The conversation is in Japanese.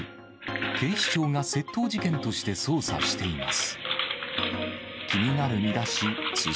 警視庁が窃盗事件として捜査しています。